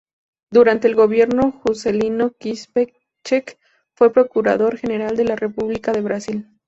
Durante el gobierno Juscelino Kubitschek fue procurador general de la República de Brasil.